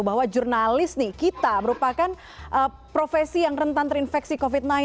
bahwa jurnalis nih kita merupakan profesi yang rentan terinfeksi covid sembilan belas